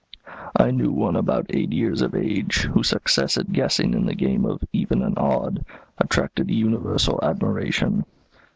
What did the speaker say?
I knew one about eight years of age, whose success at guessing in the game of 'even and odd' attracted universal admiration.